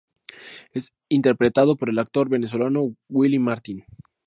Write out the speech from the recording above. Es interpretado por el actor venezolano, Willy Martin.